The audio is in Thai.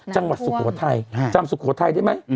สุโขทัยจำสุโขทัยได้ไหม